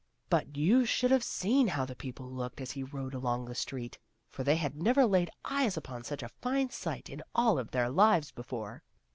But you should have seen how the people looked as he rode along the street, for they had never laid eyes upon such a fine sight in all of their lives before.